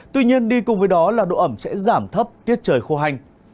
tuy nhiên đi cùng với đó là độ ẩm sẽ giảm thấp tiết trời khô hành